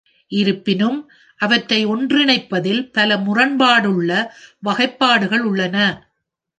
இருப்பினும், அவற்றை ஒன்றிணைப்பதில் பல முரண்பாடுள்ள வகைப்பாடுகள் உள்ளன.